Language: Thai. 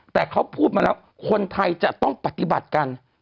แต่เขาพูดมาแล้วคนไทยจะต้องปฏิบัติกัน